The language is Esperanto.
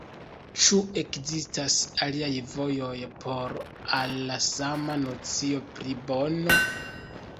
Ĉu ekzistas aliaj vojoj por al la sama nocio pri bono?